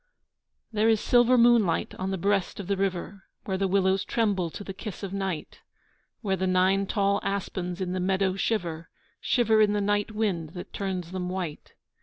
There is silver moonlight on the breast of the river Where the willows tremble to the kiss of night, Where the nine tall aspens in the meadow shiver, Shiver in the night wind that turns them white.